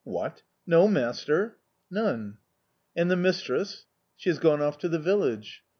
"What! No master?" "None!" "And the mistress?" "She has gone off to the village."